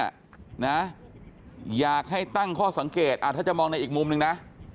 นะอยากให้ตั้งข้อสังเกตถ้าจะมองในอีกมุมหนึ่งนะ